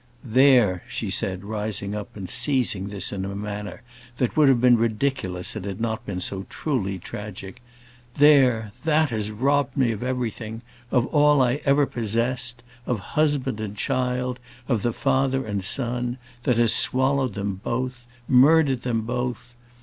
"There," she said, rising up, and seizing this in a manner that would have been ridiculous had it not been so truly tragic. "There, that has robbed me of everything of all that I ever possessed; of husband and child; of the father and son; that has swallowed them both murdered them both!